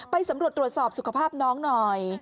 สำรวจตรวจสอบสุขภาพน้องหน่อย